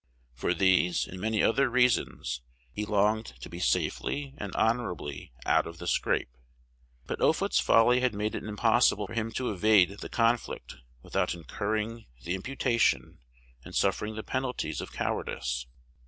For these, and many other reasons, he longed to be safely and honorably out of the scrape; but Offutt's folly had made it impossible for him to evade the conflict without incurring the imputation, and suffering the penalties, of cowardice.